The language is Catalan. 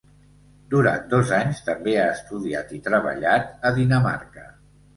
Durant dos anys també ha estudiat i treballat a Dinamarca.